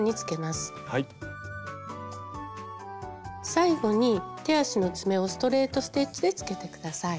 最後に手足の爪をストレート・ステッチでつけて下さい。